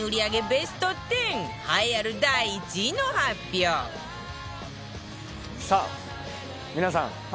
ベスト１０栄えある第１位の発表さあ皆さん